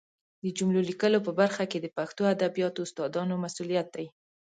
د جملو لیکلو په برخه کې د پښتو ادبیاتو استادانو مسؤلیت دی